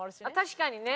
確かにね。